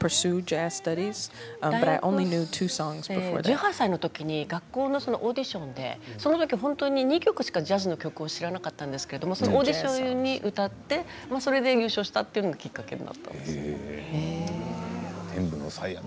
１８歳の時に学校のオーディションでその時は２曲しかジャズの曲を知らなかったんですがオーディションで歌って優勝したのがきっかけです。